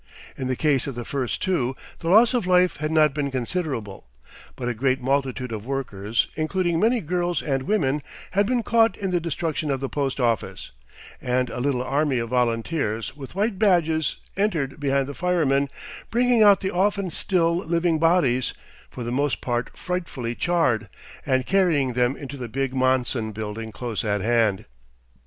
In the case of the first two the loss of life had not been considerable, but a great multitude of workers, including many girls and women, had been caught in the destruction of the Post Office, and a little army of volunteers with white badges entered behind the firemen, bringing out the often still living bodies, for the most part frightfully charred, and carrying them into the big Monson building close at hand.